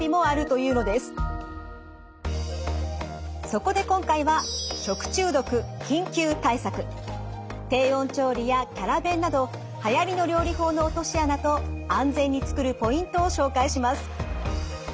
そこで今回は低温調理やキャラ弁などはやりの料理法の落とし穴と安全に作るポイントを紹介します。